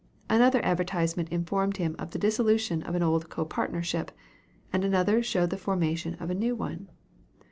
Another advertisement informed him of the dissolution of an old copartnership, and another showed the formation of a new one.